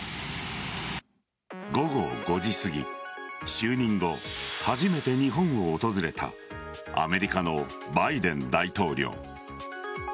午後５時すぎ就任後、初めて日本を訪れたアメリカのバイデン大統領。